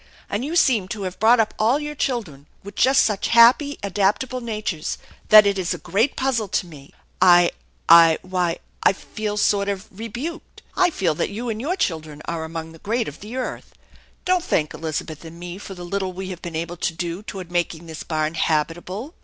And you seem to have brought up all your children with just such happy, adaptable natures, that it is a great puzzle to me. I I why, I feel sort of THE ENCHANTED BARN 149 rebuked! I feel that you and your children are among the great of the earth. Don't thank Elizabeth and me for the little we have been able to do toward making this barn habitable.